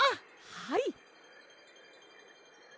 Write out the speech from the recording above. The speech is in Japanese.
はい！